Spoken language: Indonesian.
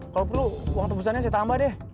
kalau perlu uang tebusannya saya tambah deh